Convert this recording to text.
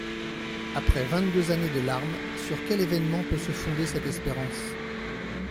Après vingt-deux années de larmes, sur quel événement peut se fonder cette espérance ?